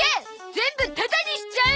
全部タダにしちゃう！